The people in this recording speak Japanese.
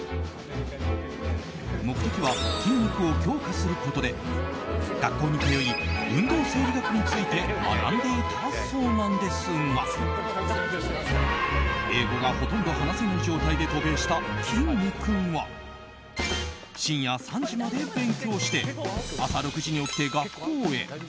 目的は筋肉を強化することで学校に通い運動生理学について学んでいたそうなんですが英語がほとんど話せない状態で渡米した、きんに君は深夜３時まで勉強して朝６時に起きて学校へ。